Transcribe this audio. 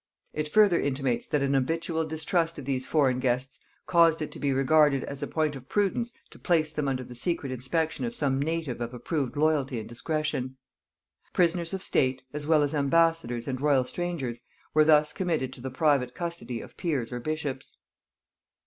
It further intimates that an habitual distrust of these foreign guests caused it to be regarded as a point of prudence to place them under the secret inspection of some native of approved loyalty and discretion. Prisoners of state, as well as ambassadors and royal strangers, were thus committed to the private custody of peers or bishops.